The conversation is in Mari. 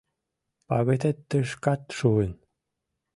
Пагытет тышкат шуын!